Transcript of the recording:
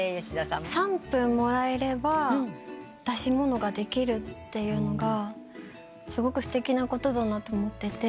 ３分もらえれば出し物ができるというのがすごくすてきなことだなと思ってて。